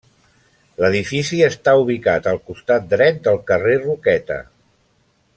L'edifici està ubicat al costat dret del carrer Roqueta.